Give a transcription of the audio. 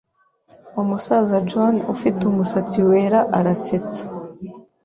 Umusaza John ufite umusatsi wera Arasetsa